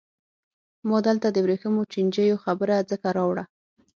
ما دلته د ورېښمو چینجیو خبره ځکه راوړه.